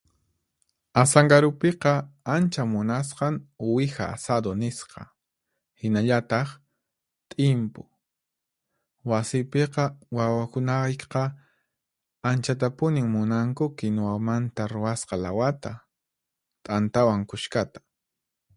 "Asankarupiqa ancha munasqan ""Uwiha Asado"" nisqa, hinallataq ""T'inpu"". Wasiypiqa, wawakunayqa anchatapunin munanku kinuwamanta ruwasqa lawata, t'antawan kushkata."